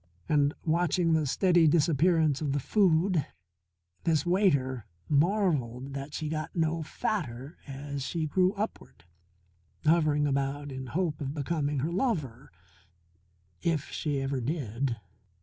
And, watching the steady disappearance of the food, this waiter marvelled that she got no fatter as she grew upward, hovering about in hope of becoming her lover if she ever did.